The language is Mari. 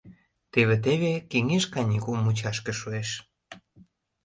Теве-теве кеҥеж каникул мучашке шуэш.